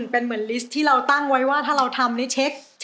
เป็นเหมือนลิสต์ที่เราตั้งไว้ว่าถ้าเราทำนี่เช็ค